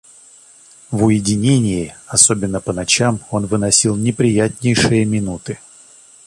В уединении, особенно по ночам, он выносил неприятнейшие минуты.